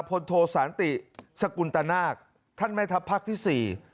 พลโทสานติสกุลตนาคท่านแม่ทัพภาคที่สี่